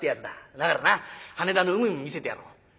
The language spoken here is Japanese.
だからな羽田の海も見せてやろう。